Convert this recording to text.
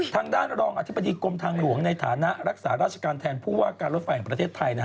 ทางด้านรองอธิบดีกรมทางหลวงในฐานะรักษาราชการแทนผู้ว่าการรถไฟแห่งประเทศไทย